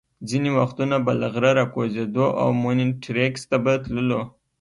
ځینې وختونه به له غره را کوزېدو او مونیټریکس ته به تللو.